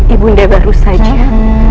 ibu nda baru saja